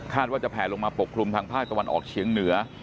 ว่าจะแผลลงมาปกคลุมทางภาคตะวันออกเฉียงเหนือ